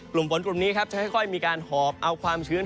กลุ่มฝนกลุ่มนี้ครับจะค่อยมีการหอบเอาความชื้น